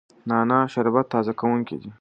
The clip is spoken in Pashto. نعنا شربت تازه کوونکی دی.